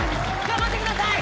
頑張ってください！